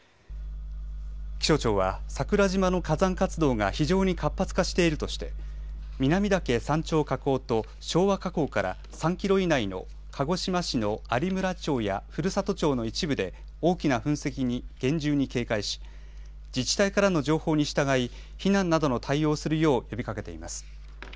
気象庁は桜島の火山活動が非常に活発化しているとして南岳山頂火口と昭和火口から３キロ以内の鹿児島市の有村町や古里町の一部で大きな噴石に厳重に警戒し自治体からの情報に従い、避難などの対応をするよう呼びかけています。